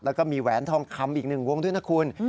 แล้วก็มีแหวนทองคำอีก๑วงด้วยนะคุณ